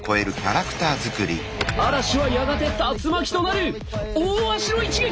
嵐はやがて竜巻となる大鷲の一撃！